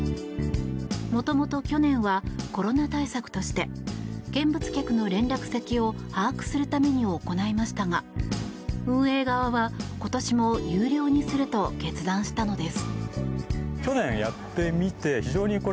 もともと去年はコロナ対策として見物客の連絡先を把握するために行いましたが運営側は今年も有料にすると決断したのです。